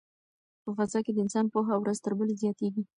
په فضا کې د انسان پوهه ورځ تر بلې زیاتیږي.